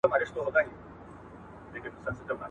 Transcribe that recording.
د اوبو لپاره د میوې یا سبو ګډول هم ګټور دي.